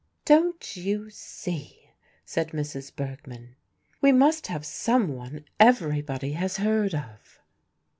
"Don't you see," said Mrs. Bergmann, "we must have some one everybody has heard of?"